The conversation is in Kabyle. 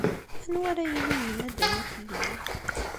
Anwa ara yilin yenna-d aya fell-i?